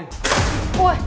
ôi anh ơi